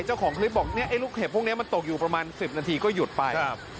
เจ้าของคลิปบอกเนี่ยไอ้ลูกเห็บพวกนี้มันตกอยู่ประมาณ๑๐นาทีก็หยุดไป